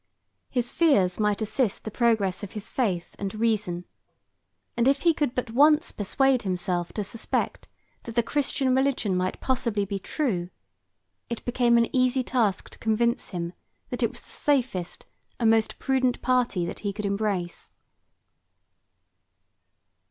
His fears might assist the progress of his faith and reason; and if he could once persuade himself to suspect that the Christian religion might possibly be true, it became an easy task to convince him that it was the safest and most prudent party that he could possibly embrace.